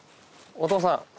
お父さん！